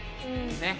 ねっ。